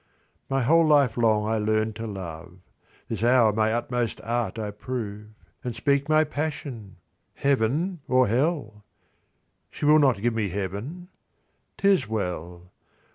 My whole life long I learned to love. This hour my utmost art I prove And speak my passion heaven or hell? She will not give me heaven? 'Tis well!